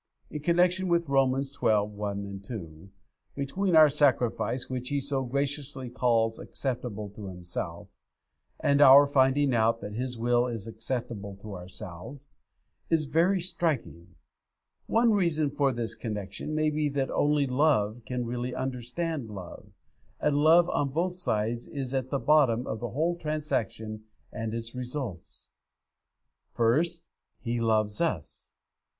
The connection in Romans xii. 1, 2, between our sacrifice which He so graciously calls acceptable to Himself, and our finding out that His will is acceptable to ourselves, is very striking. One reason for this connection may be that only love can really understand love, and love on both sides is at the bottom of the whole transaction and its results. First, He loves us.